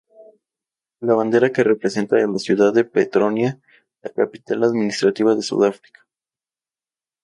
La bandera que representa a la ciudad de Pretoria, la capital administrativa de Sudáfrica.